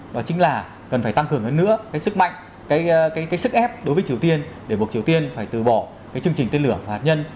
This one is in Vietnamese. đó chính là cần phải tăng cường hơn nữa cái sức mạnh cái sức ép đối với triều tiên để buộc triều tiên phải từ bỏ cái chương trình tên lửa và hạt nhân